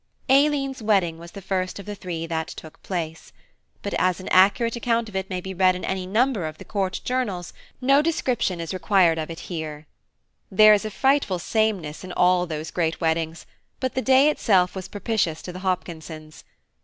Aileen's wedding was the first of the three that took place; but as an accurate account of it may be read in any number of the Court Journal no description is required of it here. There is a frightful sameness in all those great weddings, but the day itself was propitious to the Hopkinsons.